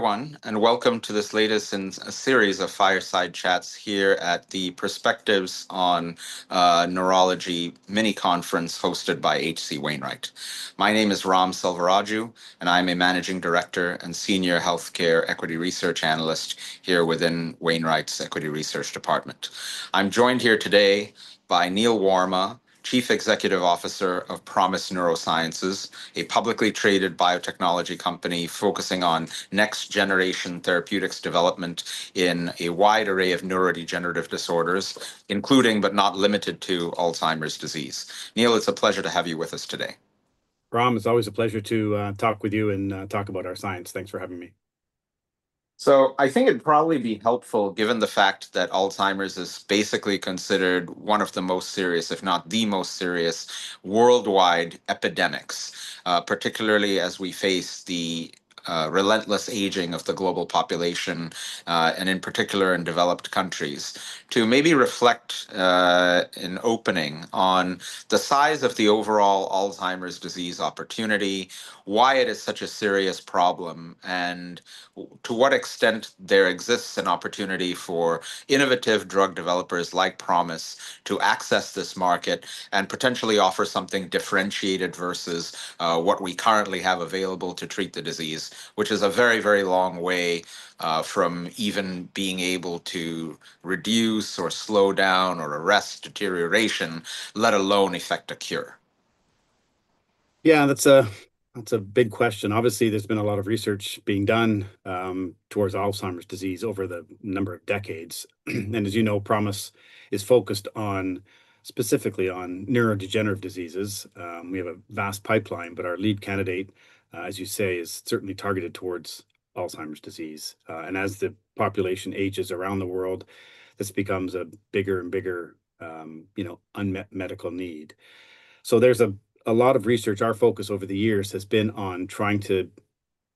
Hello, everyone, and welcome to this latest in a series of fireside chats here at the Perspectives on Neurology mini conference hosted by H.C. Wainwright. My name is Ram Selvaraju, and I'm a managing director and senior healthcare equity research analyst here within Wainwright's Equity Research Department. I'm joined here today by Neil Warma, Chief Executive Officer of ProMIS Neurosciences, a publicly traded biotechnology company focusing on next-generation therapeutics development in a wide array of neurodegenerative disorders, including but not limited to Alzheimer's disease. Neil, it's a pleasure to have you with us today. Ram, it's always a pleasure to talk with you and talk about our science. Thanks for having me. I think it'd probably be helpful, given the fact that Alzheimer's is basically considered one of the most serious, if not the most serious, worldwide epidemics, particularly as we face the relentless aging of the global population, and in particular in developed countries, to maybe reflect an opening on the size of the overall Alzheimer's disease opportunity, why it is such a serious problem, and to what extent there exists an opportunity for innovative drug developers like ProMIS to access this market and potentially offer something differentiated versus what we currently have available to treat the disease, which is a very, very long way from even being able to reduce or slow down or arrest deterioration, let alone effect a cure. Yeah, that's a big question. Obviously, there's been a lot of research being done towards Alzheimer's disease over the number of decades. As you know, ProMIS is focused specifically on neurodegenerative diseases. We have a vast pipeline, but our lead candidate, as you say, is certainly targeted towards Alzheimer's disease. As the population ages around the world, this becomes a bigger and bigger unmet medical need. There's a lot of research. Our focus over the years has been on trying to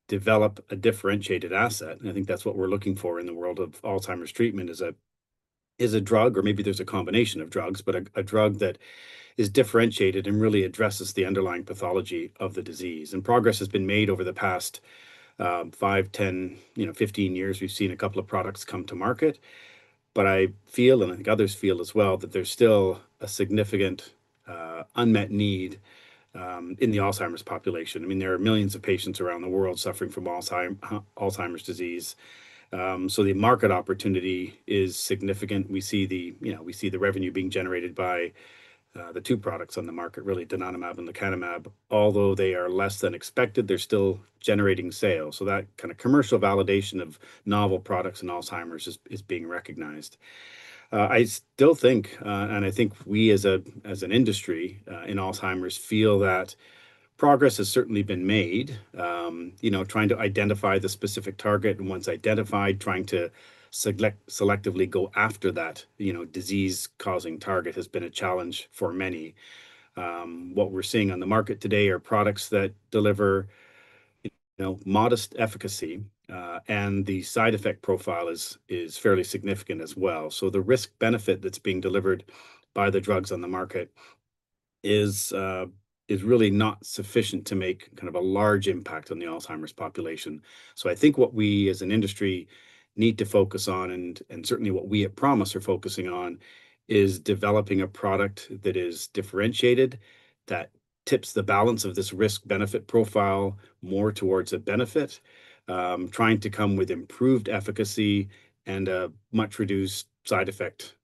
develop a differentiated asset. I think that's what we're looking for in the world of Alzheimer's treatment, a drug, or maybe there's a combination of drugs, but a drug that is differentiated and really addresses the underlying pathology of the disease. Progress has been made over the past 5, 10, 15 years. We've seen a couple of products come to market. I feel, and I think others feel as well, that there's still a significant unmet need in the Alzheimer's population. I mean, there are millions of patients around the world suffering from Alzheimer's disease. The market opportunity is significant. We see the revenue being generated by the two products on the market, really donanemab and lecanemab. Although they are less than expected, they're still generating sales. That kind of commercial validation of novel products in Alzheimer's is being recognized. I still think, and I think we as an industry in Alzheimer's feel that progress has certainly been made. Trying to identify the specific target, and once identified, trying to selectively go after that disease-causing target has been a challenge for many. What we're seeing on the market today are products that deliver modest efficacy, and the side effect profile is fairly significant as well. The risk-benefit that's being delivered by the drugs on the market is really not sufficient to make kind of a large impact on the Alzheimer's population. I think what we as an industry need to focus on, and certainly what we at ProMIS are focusing on, is developing a product that is differentiated, that tips the balance of this risk-benefit profile more towards a benefit, trying to come with improved efficacy and a much-reduced side effect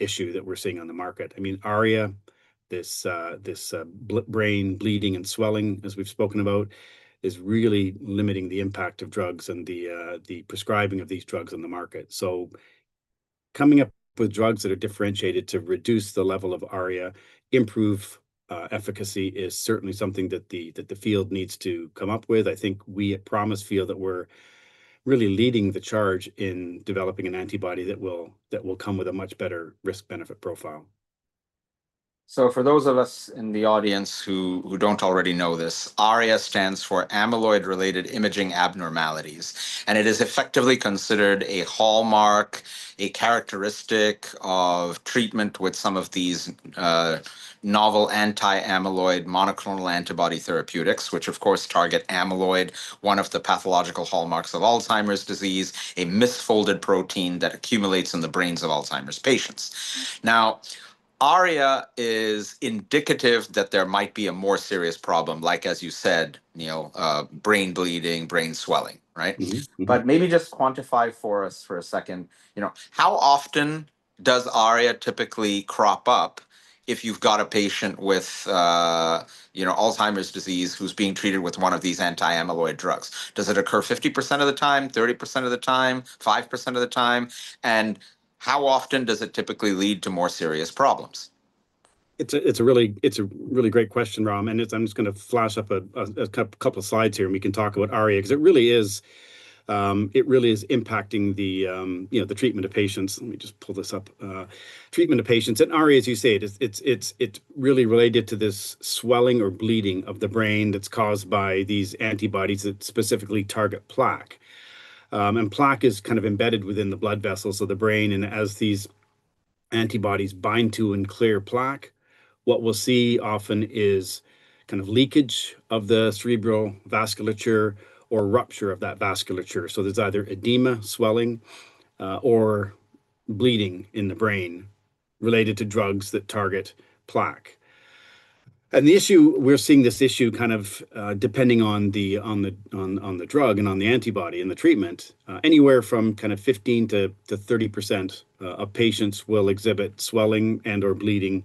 issue that we're seeing on the market. I mean, ARIA, this brain bleeding and swelling, as we've spoken about, is really limiting the impact of drugs and the prescribing of these drugs on the market. Coming up with drugs that are differentiated to reduce the level of ARIA, improve efficacy, is certainly something that the field needs to come up with. I think we at ProMIS feel that we're really leading the charge in developing an antibody that will come with a much better risk-benefit profile. For those of us in the audience who don't already know this, ARIA stands for amyloid-related imaging abnormalities. It is effectively considered a hallmark, a characteristic of treatment with some of these novel anti-amyloid monoclonal antibody therapeutics, which, of course, target amyloid, one of the pathological hallmarks of Alzheimer's disease, a misfolded protein that accumulates in the brains of Alzheimer's patients. Now, ARIA is indicative that there might be a more serious problem, like, as you said, brain bleeding, brain swelling, right? Maybe just quantify for us for a second. How often does ARIA typically crop up if you've got a patient with Alzheimer's disease who's being treated with one of these anti-amyloid drugs? Does it occur 50% of the time, 30% of the time, 5% of the time? How often does it typically lead to more serious problems? It's a really great question, Ram. I'm just going to flash up a couple of slides here, and we can talk about ARIA, because it really is impacting the treatment of patients. Let me just pull this up. Treatment of patients. ARIA, as you say, it's really related to this swelling or bleeding of the brain that's caused by these antibodies that specifically target plaque. Plaque is kind of embedded within the blood vessels of the brain. As these antibodies bind to and clear plaque, what we'll see often is kind of leakage of the cerebral vasculature or rupture of that vasculature. There's either edema, swelling, or bleeding in the brain related to drugs that target plaque. We're seeing this issue kind of depending on the drug and on the antibody and the treatment. Anywhere from kind of 15%-30% of patients will exhibit swelling and/or bleeding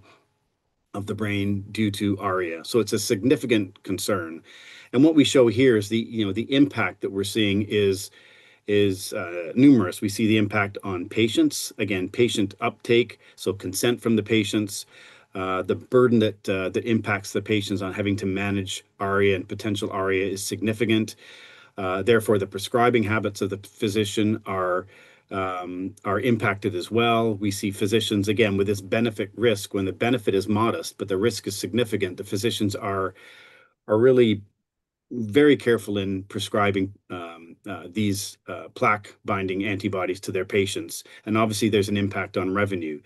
of the brain due to ARIA. It is a significant concern. What we show here is the impact that we are seeing is numerous. We see the impact on patients, again, patient uptake, so consent from the patients. The burden that impacts the patients on having to manage ARIA and potential ARIA is significant. Therefore, the prescribing habits of the physician are impacted as well. We see physicians, again, with this benefit-risk when the benefit is modest, but the risk is significant. The physicians are really very careful in prescribing these plaque-binding antibodies to their patients. Obviously, there is an impact on revenue.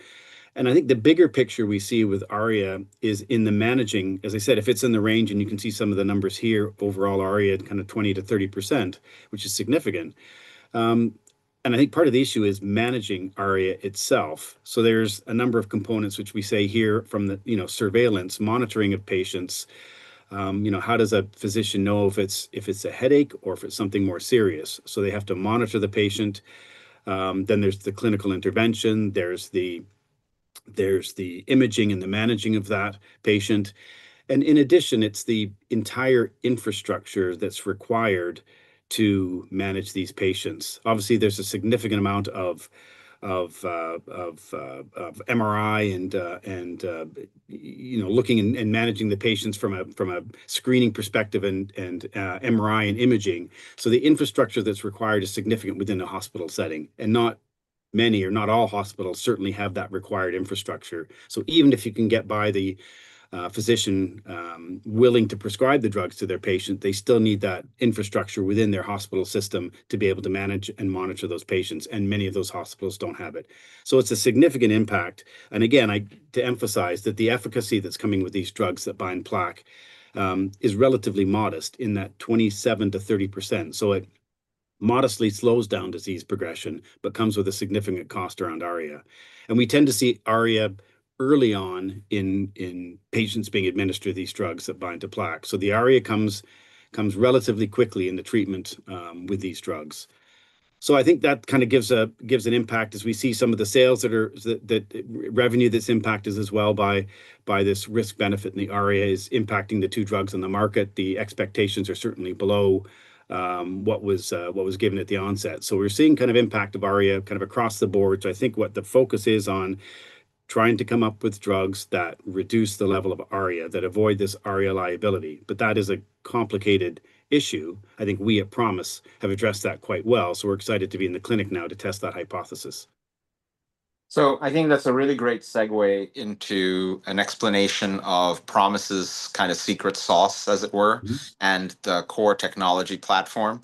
I think the bigger picture we see with ARIA is in the managing. As I said, if it's in the range, and you can see some of the numbers here, overall ARIA at kind of 20%-30%, which is significant. I think part of the issue is managing ARIA itself. There's a number of components, which we say here from the surveillance, monitoring of patients. How does a physician know if it's a headache or if it's something more serious? They have to monitor the patient. There's the clinical intervention. There's the imaging and the managing of that patient. In addition, it's the entire infrastructure that's required to manage these patients. Obviously, there's a significant amount of MRI and looking and managing the patients from a screening perspective and MRI and imaging. The infrastructure that's required is significant within a hospital setting. Not many or not all hospitals certainly have that required infrastructure. Even if you can get by the physician willing to prescribe the drugs to their patient, they still need that infrastructure within their hospital system to be able to manage and monitor those patients. Many of those hospitals do not have it. It is a significant impact. Again, to emphasize that the efficacy that is coming with these drugs that bind plaque is relatively modest in that 27%-30%. It modestly slows down disease progression, but comes with a significant cost around ARIA. We tend to see ARIA early on in patients being administered these drugs that bind to plaque. The ARIA comes relatively quickly in the treatment with these drugs. I think that kind of gives an impact as we see some of the sales or revenue that is impacted as well by this risk-benefit. The ARIA is impacting the two drugs on the market. The expectations are certainly below what was given at the onset. We are seeing kind of impact of ARIA kind of across the board. I think what the focus is on is trying to come up with drugs that reduce the level of ARIA, that avoid this ARIA liability. That is a complicated issue. I think we at ProMIS have addressed that quite well. We are excited to be in the clinic now to test that hypothesis. I think that's a really great segue into an explanation of ProMIS's kind of secret sauce, as it were, and the core technology platform.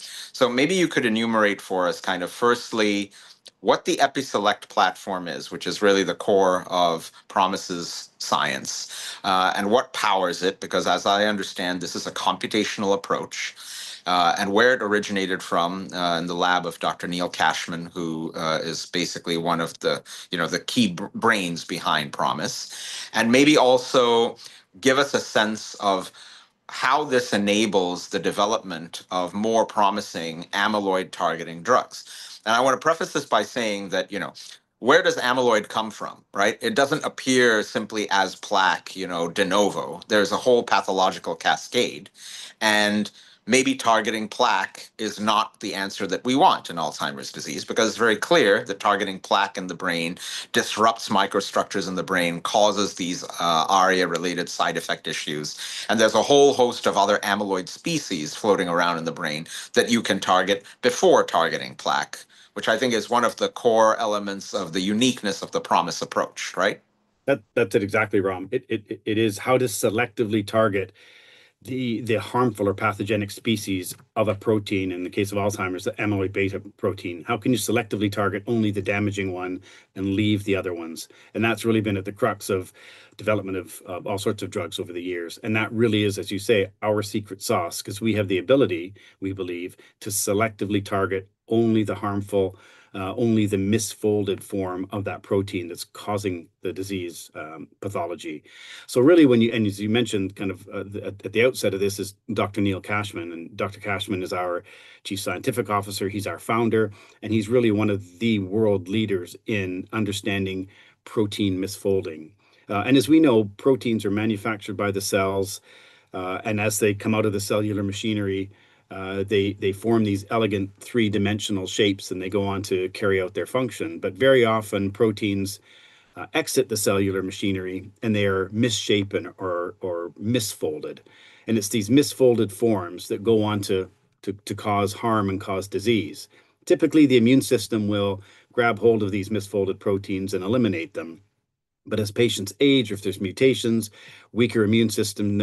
Maybe you could enumerate for us kind of firstly what the EpiSelect platform is, which is really the core of ProMIS's science, and what powers it, because as I understand, this is a computational approach. Where it originated from in the lab of Dr. Neil Cashman, who is basically one of the key brains behind ProMIS. Maybe also give us a sense of how this enables the development of more promising amyloid-targeting drugs. I want to preface this by saying that where does amyloid come from? It doesn't appear simply as plaque de novo. There's a whole pathological cascade. Maybe targeting plaque is not the answer that we want in Alzheimer's disease, because it's very clear that targeting plaque in the brain disrupts microstructures in the brain, causes these ARIA-related side effect issues. There's a whole host of other amyloid species floating around in the brain that you can target before targeting plaque, which I think is one of the core elements of the uniqueness of the ProMIS approach, right? That's it exactly, Ram. It is how to selectively target the harmful or pathogenic species of a protein in the case of Alzheimer's, the amyloid-beta protein. How can you selectively target only the damaging one and leave the other ones? That really has been at the crux of development of all sorts of drugs over the years. That really is, as you say, our secret sauce, because we have the ability, we believe, to selectively target only the harmful, only the misfolded form of that protein that's causing the disease pathology. Really, as you mentioned, kind of at the outset of this is Dr. Neil Cashman. Dr. Cashman is our Chief Scientific Officer. He's our founder. He's really one of the world leaders in understanding protein misfolding. As we know, proteins are manufactured by the cells. As they come out of the cellular machinery, they form these elegant three-dimensional shapes, and they go on to carry out their function. Very often, proteins exit the cellular machinery, and they are misshapen or misfolded. It's these misfolded forms that go on to cause harm and cause disease. Typically, the immune system will grab hold of these misfolded proteins and eliminate them. As patients age, or if there's mutations, weaker immune system,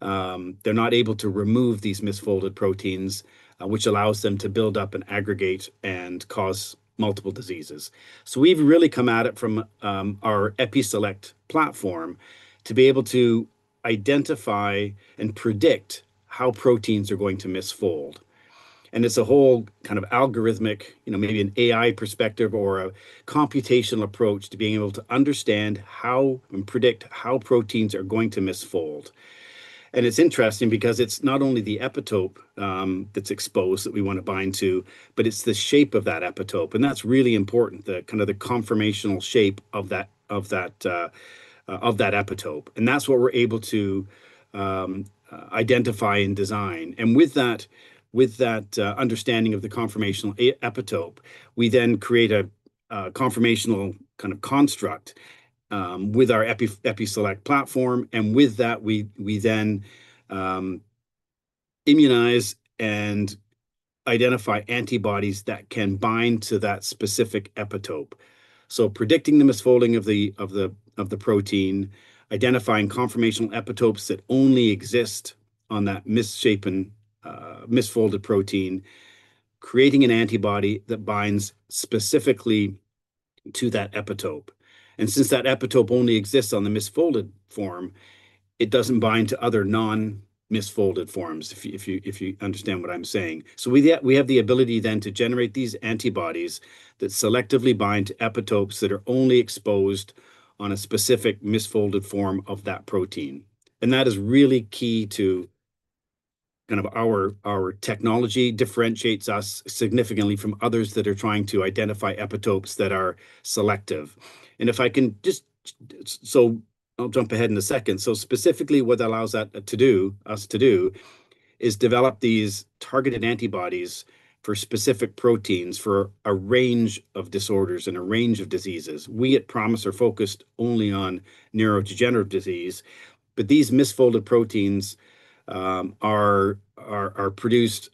they're not able to remove these misfolded proteins, which allows them to build up and aggregate and cause multiple diseases. We've really come at it from our EpiSelect platform to be able to identify and predict how proteins are going to misfold. It's a whole kind of algorithmic, maybe an AI perspective or a computational approach to being able to understand how and predict how proteins are going to misfold. It is interesting because it is not only the epitope that is exposed that we want to bind to, but it is the shape of that epitope. That is really important, kind of the conformational shape of that epitope. That is what we are able to identify and design. With that understanding of the conformational epitope, we then create a conformational kind of construct with our EpiSelect platform. With that, we then immunize and identify antibodies that can bind to that specific epitope. Predicting the misfolding of the protein, identifying conformational epitopes that only exist on that misfolded protein, creating an antibody that binds specifically to that epitope. Since that epitope only exists on the misfolded form, it does not bind to other non-misfolded forms, if you understand what I am saying. We have the ability then to generate these antibodies that selectively bind to epitopes that are only exposed on a specific misfolded form of that protein. That is really key to kind of how our technology differentiates us significantly from others that are trying to identify epitopes that are selective. If I can just—so I'll jump ahead in a second. Specifically, what it allows us to do is develop these targeted antibodies for specific proteins for a range of disorders and a range of diseases. We at ProMIS are focused only on neurodegenerative disease. These misfolded proteins are produced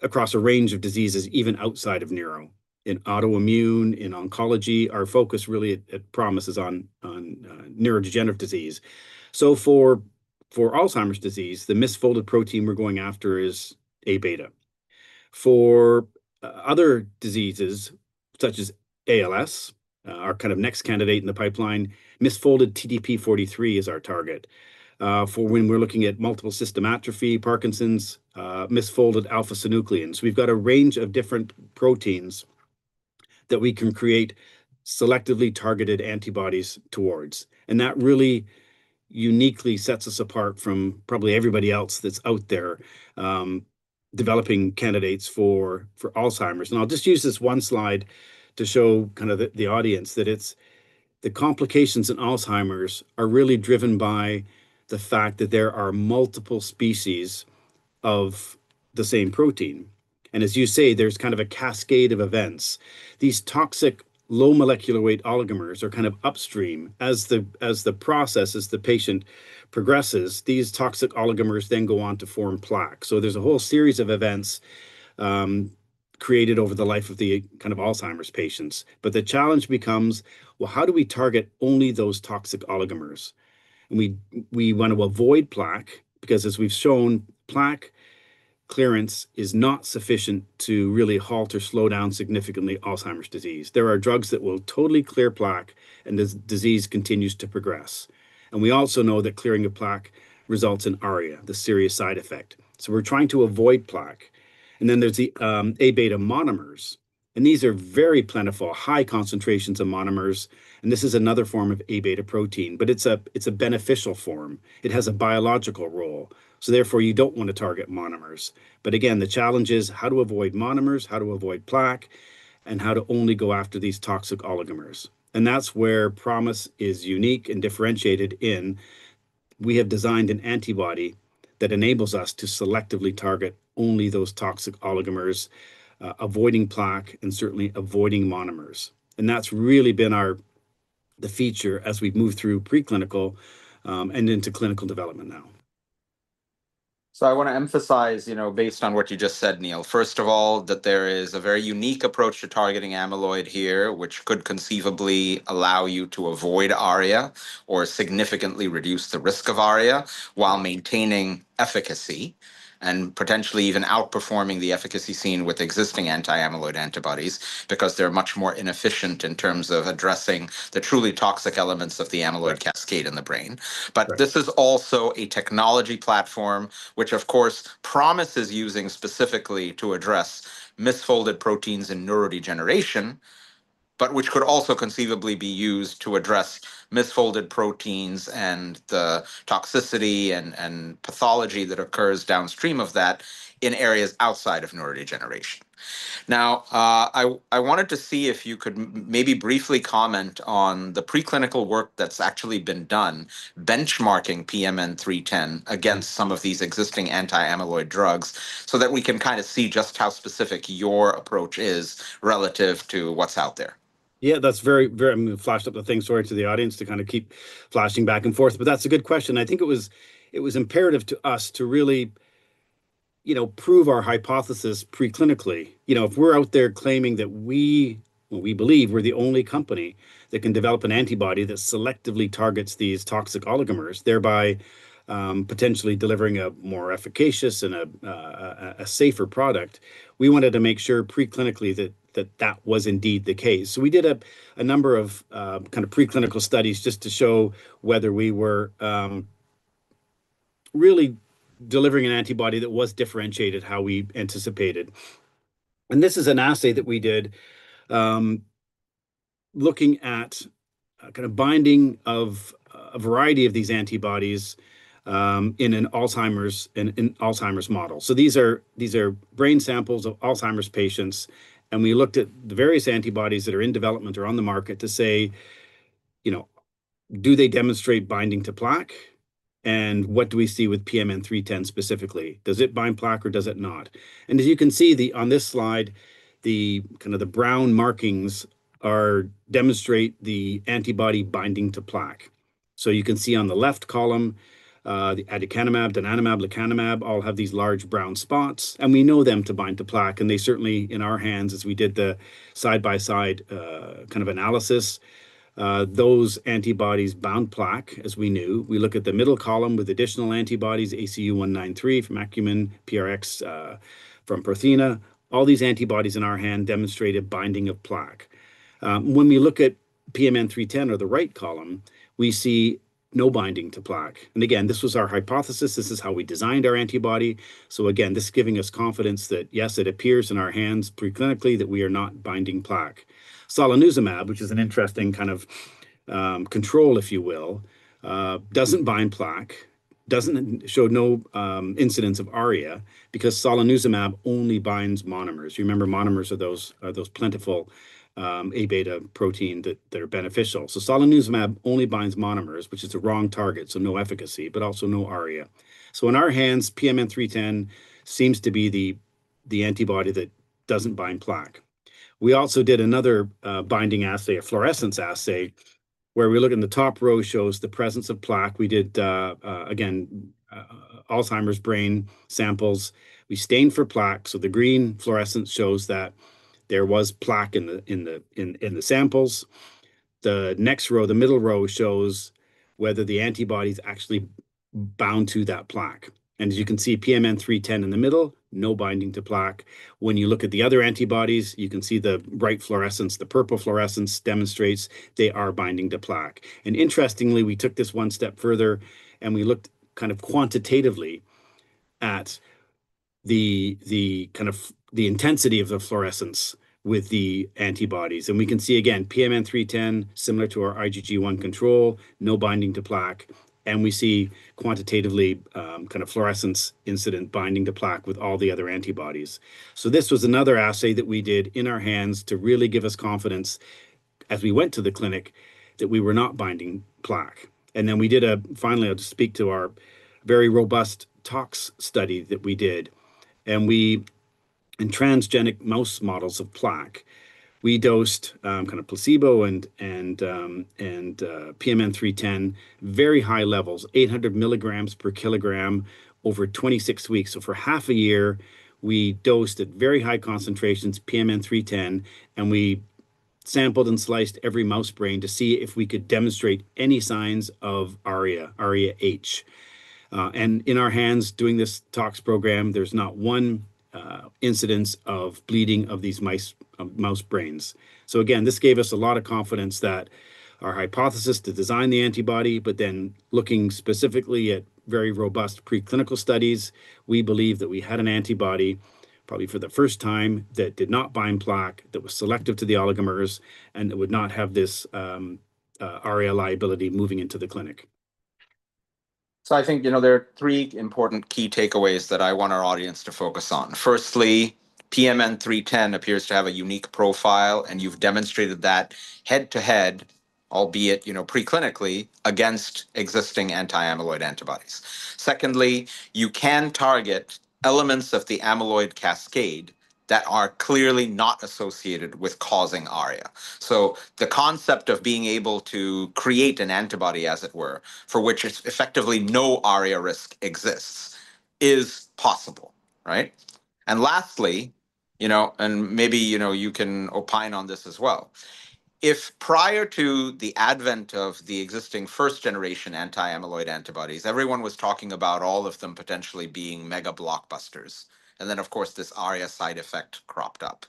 across a range of diseases, even outside of neuro. In autoimmune, in oncology, our focus really at ProMIS is on neurodegenerative disease. For Alzheimer's disease, the misfolded protein we're going after is A beta. For other diseases, such as ALS, our kind of next candidate in the pipeline, misfolded TDP-43 is our target. When we're looking at multiple system atrophy, Parkinson's, misfolded alpha-synuclein, we've got a range of different proteins that we can create selectively targeted antibodies towards. That really uniquely sets us apart from probably everybody else that's out there developing candidates for Alzheimer's. I'll just use this one slide to show the audience that the complications in Alzheimer's are really driven by the fact that there are multiple species of the same protein. As you say, there's kind of a cascade of events. These toxic low molecular weight oligomers are kind of upstream. As the process, as the patient progresses, these toxic oligomers then go on to form plaque. There's a whole series of events created over the life of the kind of Alzheimer's patients. The challenge becomes, well, how do we target only those toxic oligomers? We want to avoid plaque because, as we've shown, plaque clearance is not sufficient to really halt or slow down significantly Alzheimer's disease. There are drugs that will totally clear plaque, and the disease continues to progress. We also know that clearing of plaque results in ARIA, the serious side effect. We are trying to avoid plaque. Then there's the A beta monomers. These are very plentiful, high concentrations of monomers. This is another form of A beta protein, but it's a beneficial form. It has a biological role. Therefore, you do not want to target monomers. Again, the challenge is how to avoid monomers, how to avoid plaque, and how to only go after these toxic oligomers. That's where ProMIS is unique and differentiated in. We have designed an antibody that enables us to selectively target only those toxic oligomers, avoiding plaque, and certainly avoiding monomers. That is really been the feature as we have moved through preclinical and into clinical development now. I want to emphasize, based on what you just said, Neil, first of all, that there is a very unique approach to targeting amyloid here, which could conceivably allow you to avoid ARIA or significantly reduce the risk of ARIA while maintaining efficacy and potentially even outperforming the efficacy seen with existing anti-amyloid antibodies, because they're much more inefficient in terms of addressing the truly toxic elements of the amyloid cascade in the brain. This is also a technology platform, which, of course, ProMIS is using specifically to address misfolded proteins in neurodegeneration, but which could also conceivably be used to address misfolded proteins and the toxicity and pathology that occurs downstream of that in areas outside of neurodegeneration. Now, I wanted to see if you could maybe briefly comment on the preclinical work that's actually been done, benchmarking PMN-310 against some of these existing anti-amyloid drugs, so that we can kind of see just how specific your approach is relative to what's out there. Yeah, that's very flashed up the thing story to the audience to kind of keep flashing back and forth. That's a good question. I think it was imperative to us to really prove our hypothesis preclinically. If we're out there claiming that we believe we're the only company that can develop an antibody that selectively targets these toxic oligomers, thereby potentially delivering a more efficacious and a safer product, we wanted to make sure preclinically that that was indeed the case. We did a number of kind of preclinical studies just to show whether we were really delivering an antibody that was differentiated, how we anticipated. This is an assay that we did looking at kind of binding of a variety of these antibodies in an Alzheimer's model. These are brain samples of Alzheimer's patients. We looked at the various antibodies that are in development or on the market to say, do they demonstrate binding to plaque? What do we see with PMN-310 specifically? Does it bind plaque or does it not? As you can see on this slide, kind of the brown markings demonstrate the antibody binding to plaque. You can see on the left column, the aducanumab, donanemab, lecanemab, all have these large brown spots. We know them to bind to plaque. They certainly, in our hands, as we did the side-by-side kind of analysis, those antibodies bound plaque, as we knew. We look at the middle column with additional antibodies, ACU193 from Acumen, PRX from Prothena. All these antibodies in our hand demonstrated binding of plaque. When we look at PMN-310 or the right column, we see no binding to plaque. Again, this was our hypothesis. This is how we designed our antibody. Again, this is giving us confidence that, yes, it appears in our hands preclinically that we are not binding plaque. Solanezumab, which is an interesting kind of control, if you will, does not bind plaque, does not show any incidence of ARIA, because solanezumab only binds monomers. You remember monomers are those plentiful A beta proteins that are beneficial. Solanezumab only binds monomers, which is the wrong target, so no efficacy, but also no ARIA. In our hands, PMN-310 seems to be the antibody that does not bind plaque. We also did another binding assay, a fluorescence assay, where we looked in the top row, which shows the presence of plaque. We did, again, Alzheimer's brain samples. We stained for plaque. The green fluorescence shows that there was plaque in the samples. The next row, the middle row, shows whether the antibody is actually bound to that plaque. As you can see, PMN-310 in the middle, no binding to plaque. When you look at the other antibodies, you can see the right fluorescence, the purple fluorescence demonstrates they are binding to plaque. Interestingly, we took this one step further, and we looked kind of quantitatively at the kind of intensity of the fluorescence with the antibodies. We can see, again, PMN-310, similar to our IgG1 control, no binding to plaque. We see quantitatively kind of fluorescence incident binding to plaque with all the other antibodies. This was another assay that we did in our hands to really give us confidence as we went to the clinic that we were not binding plaque. Finally, I'll just speak to our very robust tox study that we did. We, in transgenic mouse models of plaque, dosed kind of placebo and PMN-310 at very high levels, 800 milligrams per kilogram over 26 weeks. For half a year, we dosed at very high concentrations, PMN-310. We sampled and sliced every mouse brain to see if we could demonstrate any signs of ARIA, ARIA H. In our hands, doing this tox program, there's not one incidence of bleeding of these mouse brains. Again, this gave us a lot of confidence that our hypothesis to design the antibody, but then looking specifically at very robust preclinical studies, we believe that we had an antibody probably for the first time that did not bind plaque, that was selective to the oligomers, and it would not have this ARIA liability moving into the clinic. I think there are three important key takeaways that I want our audience to focus on. Firstly, PMN-310 appears to have a unique profile, and you've demonstrated that head-to-head, albeit preclinically, against existing anti-amyloid antibodies. Secondly, you can target elements of the amyloid cascade that are clearly not associated with causing ARIA. The concept of being able to create an antibody, as it were, for which effectively no ARIA risk exists, is possible. Lastly, and maybe you can opine on this as well. If prior to the advent of the existing first-generation anti-amyloid antibodies, everyone was talking about all of them potentially being mega blockbusters. Then, of course, this ARIA side effect cropped up.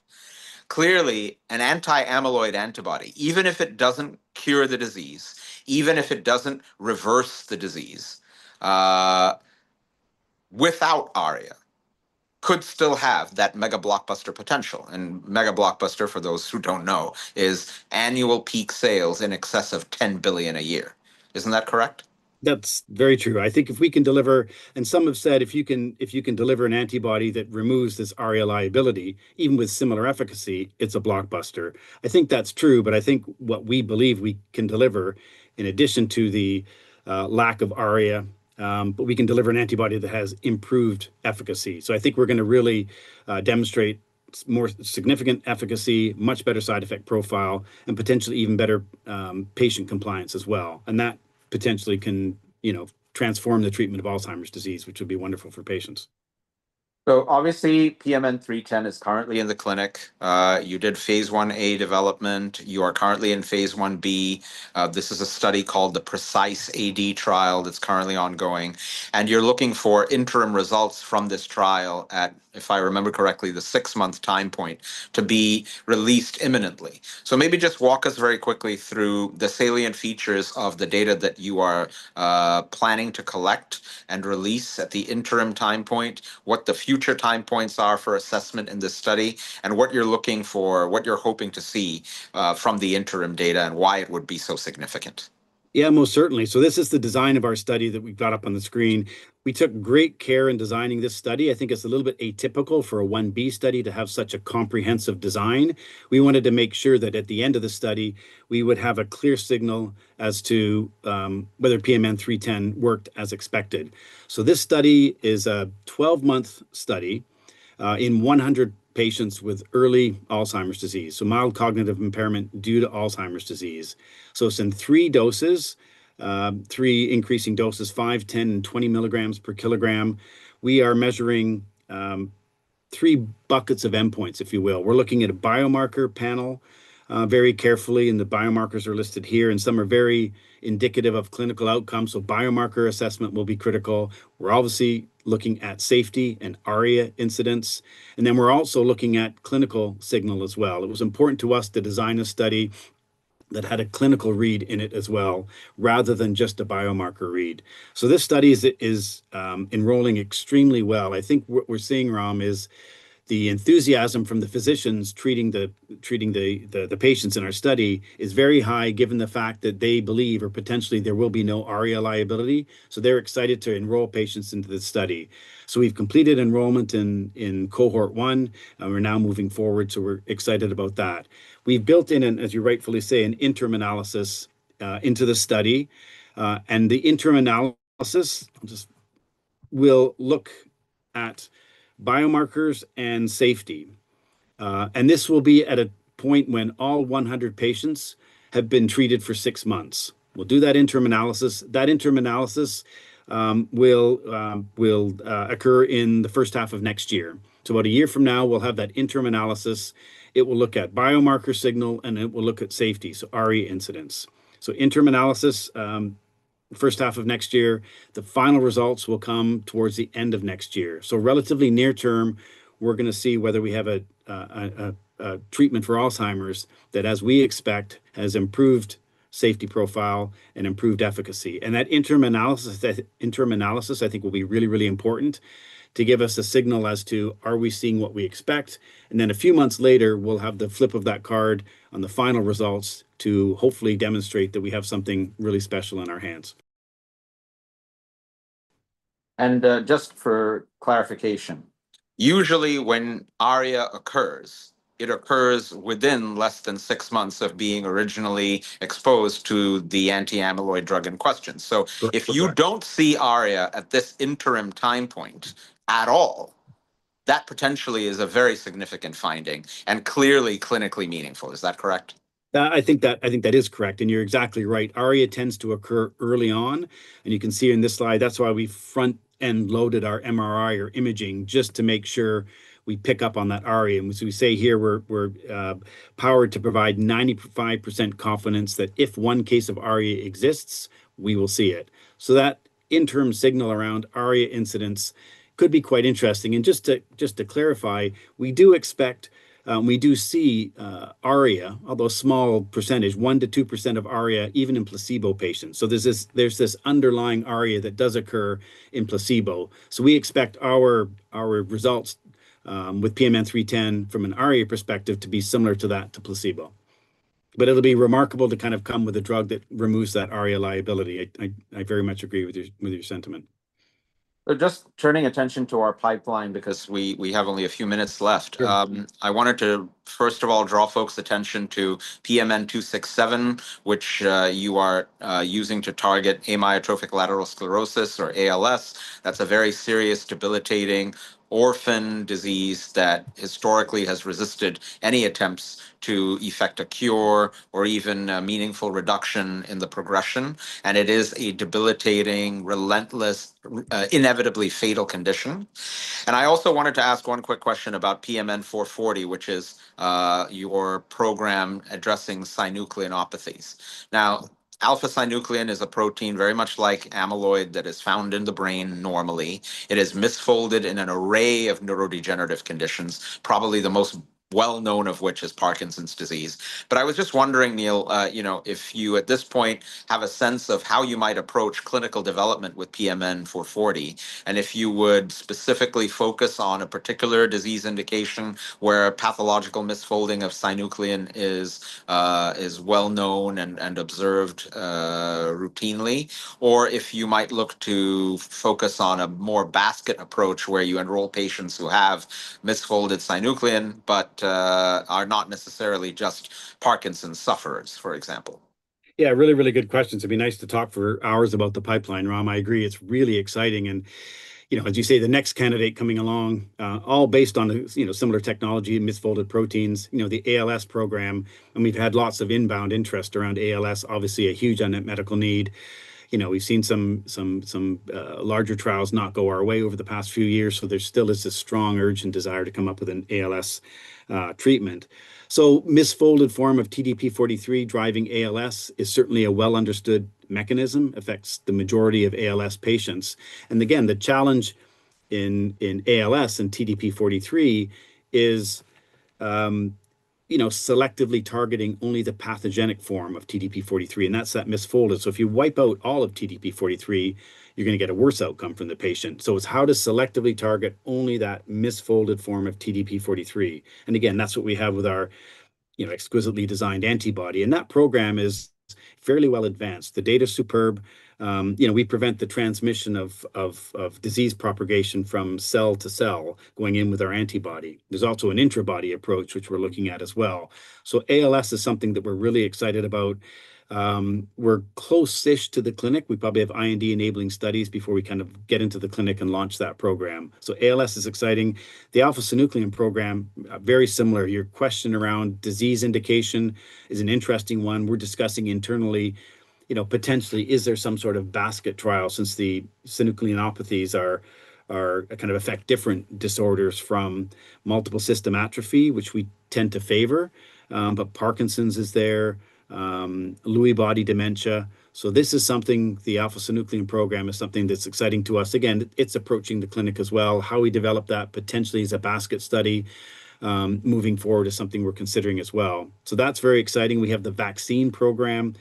Clearly, an anti-amyloid antibody, even if it doesn't cure the disease, even if it doesn't reverse the disease, without ARIA, could still have that mega blockbuster potential. Mega blockbuster, for those who don't know, is annual peak sales in excess of $10 billion a year. Isn't that correct? That's very true. I think if we can deliver, and some have said, if you can deliver an antibody that removes this ARIA liability, even with similar efficacy, it's a blockbuster. I think that's true. I think what we believe we can deliver, in addition to the lack of ARIA, is we can deliver an antibody that has improved efficacy. I think we're going to really demonstrate more significant efficacy, much better side effect profile, and potentially even better patient compliance as well. That potentially can transform the treatment of Alzheimer's disease, which would be wonderful for patients. Obviously, PMN-310 is currently in the clinic. You did phase 1A development. You are currently in phase 1B. This is a study called the PRECISE-AD trial that is currently ongoing. You are looking for interim results from this trial at, if I remember correctly, the six-month time point to be released imminently. Maybe just walk us very quickly through the salient features of the data that you are planning to collect and release at the interim time point, what the future time points are for assessment in this study, what you are looking for, what you are hoping to see from the interim data, and why it would be so significant. Yeah, most certainly. This is the design of our study that we've got up on the screen. We took great care in designing this study. I think it's a little bit atypical for a phase 1B study to have such a comprehensive design. We wanted to make sure that at the end of the study, we would have a clear signal as to whether PMN-310 worked as expected. This study is a 12-month study in 100 patients with early Alzheimer's disease, so mild cognitive impairment due to Alzheimer's disease. It's in three doses, three increasing doses, 5, 10, and 20 milligrams per kilogram. We are measuring three buckets of endpoints, if you will. We're looking at a biomarker panel very carefully, and the biomarkers are listed here. Some are very indicative of clinical outcome. Biomarker assessment will be critical. We're obviously looking at safety and ARIA incidence. We're also looking at clinical signal as well. It was important to us to design a study that had a clinical read in it as well, rather than just a biomarker read. This study is enrolling extremely well. I think what we're seeing, Ram, is the enthusiasm from the physicians treating the patients in our study is very high, given the fact that they believe or potentially there will be no ARIA liability. They're excited to enroll patients into the study. We've completed enrollment in cohort one. We're now moving forward. We're excited about that. We've built in, as you rightfully say, an interim analysis into the study. The interim analysis will look at biomarkers and safety. This will be at a point when all 100 patients have been treated for six months. We'll do that interim analysis. That interim analysis will occur in the first half of next year. About a year from now, we'll have that interim analysis. It will look at biomarker signal, and it will look at safety, so ARIA incidence. Interim analysis, first half of next year. The final results will come towards the end of next year. Relatively near term, we're going to see whether we have a treatment for Alzheimer's that, as we expect, has improved safety profile and improved efficacy. That interim analysis, I think, will be really, really important to give us a signal as to, are we seeing what we expect? A few months later, we'll have the flip of that card on the final results to hopefully demonstrate that we have something really special in our hands. Just for clarification, usually when ARIA occurs, it occurs within less than six months of being originally exposed to the anti-amyloid drug in question. If you do not see ARIA at this interim time point at all, that potentially is a very significant finding and clearly clinically meaningful. Is that correct? I think that is correct. You're exactly right. ARIA tends to occur early on. You can see in this slide, that's why we front-end loaded our MRI or imaging just to make sure we pick up on that ARIA. We say here we're powered to provide 95% confidence that if one case of ARIA exists, we will see it. That interim signal around ARIA incidence could be quite interesting. Just to clarify, we do expect, we do see ARIA, although a small percentage, 1%-2% of ARIA, even in placebo patients. There's this underlying ARIA that does occur in placebo. We expect our results with PMN-310 from an ARIA perspective to be similar to that to placebo. It will be remarkable to kind of come with a drug that removes that ARIA liability. I very much agree with your sentiment. Just turning attention to our pipeline because we have only a few minutes left. I wanted to, first of all, draw folks' attention to PMN-267, which you are using to target amyotrophic lateral sclerosis, or ALS. That's a very serious, debilitating orphan disease that historically has resisted any attempts to effect a cure or even a meaningful reduction in the progression. It is a debilitating, relentless, inevitably fatal condition. I also wanted to ask one quick question about PMN-440, which is your program addressing synucleinopathies. Now, alpha-synuclein is a protein very much like amyloid that is found in the brain normally. It is misfolded in an array of neurodegenerative conditions, probably the most well-known of which is Parkinson's disease. I was just wondering, Neil, if you at this point have a sense of how you might approach clinical development with PMN-440, and if you would specifically focus on a particular disease indication where a pathological misfolding of synuclein is well-known and observed routinely, or if you might look to focus on a more basket approach where you enroll patients who have misfolded synuclein but are not necessarily just Parkinson's sufferers, for example. Yeah, really, really good questions. It'd be nice to talk for hours about the pipeline, Rom. I agree. It's really exciting. As you say, the next candidate coming along, all based on similar technology, misfolded proteins, the ALS program. We've had lots of inbound interest around ALS, obviously a huge unmet medical need. We've seen some larger trials not go our way over the past few years. There still is this strong urge and desire to come up with an ALS treatment. Misfolded form of TDP-43 driving ALS is certainly a well-understood mechanism. It affects the majority of ALS patients. Again, the challenge in ALS and TDP-43 is selectively targeting only the pathogenic form of TDP-43. That's that misfolded. If you wipe out all of TDP-43, you're going to get a worse outcome from the patient. It is how to selectively target only that misfolded form of TDP-43. Again, that is what we have with our exquisitely designed antibody. That program is fairly well advanced. The data is superb. We prevent the transmission of disease propagation from cell to cell going in with our antibody. There is also an intrabody approach, which we are looking at as well. ALS is something that we are really excited about. We are close-ish to the clinic. We probably have IND-enabling studies before we kind of get into the clinic and launch that program. ALS is exciting. The alpha-synuclein program, very similar. Your question around disease indication is an interesting one. We are discussing internally, potentially, is there some sort of basket trial since the synucleinopathies kind of affect different disorders from multiple system atrophy, which we tend to favor. Parkinson's is there, Lewy body dementia. This is something, the alpha-synuclein program is something that's exciting to us. Again, it's approaching the clinic as well. How we develop that potentially is a basket study moving forward is something we're considering as well. That's very exciting. We have the vaccine program.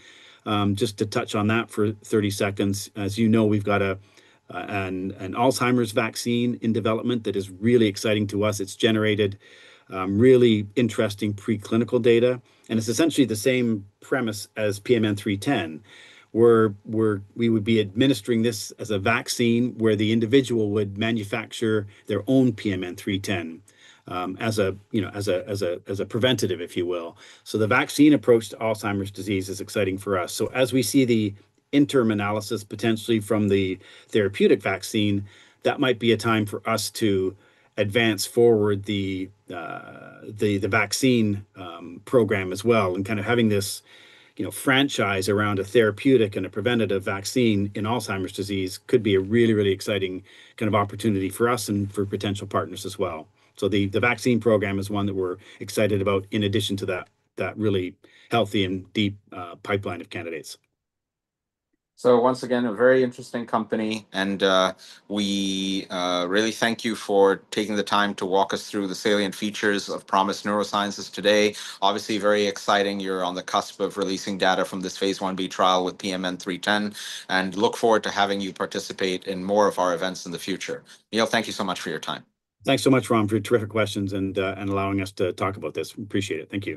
Just to touch on that for 30 seconds, as you know, we've got an Alzheimer's vaccine in development that is really exciting to us. It's generated really interesting preclinical data. It's essentially the same premise as PMN-310. We would be administering this as a vaccine where the individual would manufacture their own PMN-310 as a preventative, if you will. The vaccine approach to Alzheimer's disease is exciting for us. As we see the interim analysis potentially from the therapeutic vaccine, that might be a time for us to advance forward the vaccine program as well. Kind of having this franchise around a therapeutic and a preventative vaccine in Alzheimer's disease could be a really, really exciting kind of opportunity for us and for potential partners as well. The vaccine program is one that we're excited about in addition to that really healthy and deep pipeline of candidates. Once again, a very interesting company. We really thank you for taking the time to walk us through the salient features of ProMIS Neurosciences today. Obviously, very exciting. You're on the cusp of releasing data from this phase 1B trial with PMN-310. Look forward to having you participate in more of our events in the future. Neil, thank you so much for your time. Thanks so much, Ram, for your terrific questions and allowing us to talk about this. Appreciate it. Thank you.